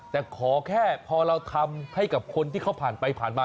แต่ขอแค่พอเราทำให้กับคนที่เขาผ่านไปผ่านมา